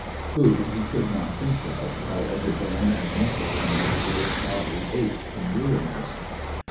Food he could not think of while every bone and muscle in his great body ached from weariness.